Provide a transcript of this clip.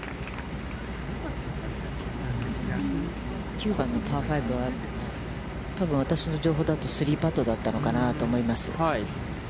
９番のパー５は、多分私の情報だと、３パットだったのかなと思います。